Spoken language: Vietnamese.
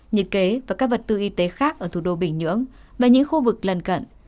nhiệt kế và các vật tư y tế khác ở thủ đô bình nhưỡng và những khu vực lần cận